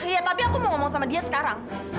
iya tapi aku mau ngomong sama dia sekarang